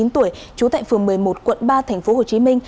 ba mươi chín tuổi trú tại phường một mươi một quận ba tp hcm